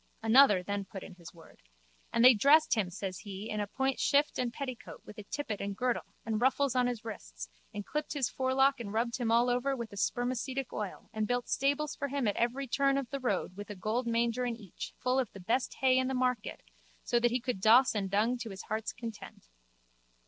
Another then put in his word: And they dressed him, says he, in a point shift and petticoat with a tippet and girdle and ruffles on his wrists and clipped his forelock and rubbed him all over with spermacetic oil and built stables for him at every turn of the road with a gold manger in each full of the best hay in the market so that he could doss and dung to his heart's content.